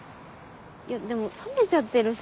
いやでも冷めちゃってるし。